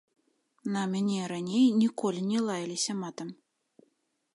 На мяне раней ніколі не лаяліся матам.